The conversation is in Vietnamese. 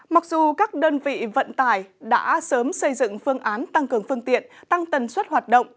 mặc dù các đơn vị vận tải đã sớm xây dựng phương án tăng cường phương tiện tăng tần suất hoạt động